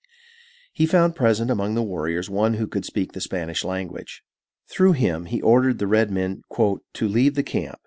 He found present among the warriors one who could speak the Spanish language. Through him he ordered the red men "to leave the camp.